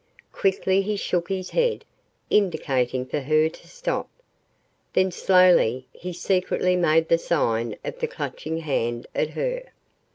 Quickly he shook his head, indicating for her to stop. Then slowly he secretly made the sign of the Clutching Hand at her.